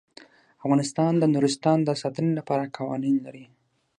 افغانستان د نورستان د ساتنې لپاره قوانین لري.